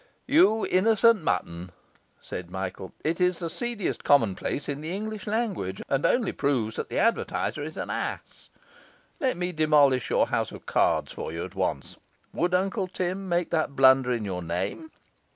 'You innocent mutton,' said Michael, 'it's the seediest commonplace in the English language, and only proves the advertiser is an ass. Let me demolish your house of cards for you at once. Would Uncle Tim make that blunder in your name?